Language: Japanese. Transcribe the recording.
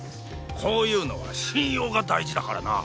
こういうのは信用が大事だからな！